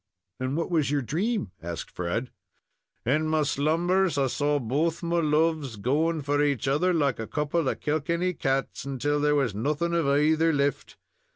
"And what was your dream?" asked Fred. "In my slumbers, I saw both my loves going for each other like a couple of Kilkenny cats, until there was nothing of aither lift.